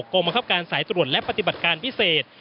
กรรมคับการสายตรวจและปฏิบัติการพิเศษ